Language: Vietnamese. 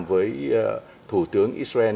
với thủ tướng israel